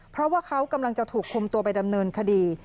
เพราะว่าเขากำลังจะถูกคุมตัวไปดำเนินคดี